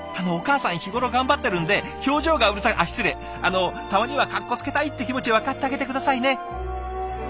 お母さん日頃頑張ってるんで表情がうるさいあっ失礼たまにはカッコつけたいって気持ち分かってあげて下さいね。